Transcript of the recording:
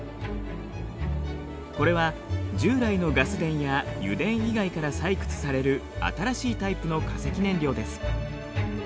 これは従来のガス田や油田以外から採掘される新しいタイプの化石燃料です。